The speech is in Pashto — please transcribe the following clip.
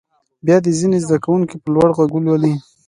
بیا دې ځینې زده کوونکي په لوړ غږ ولولي.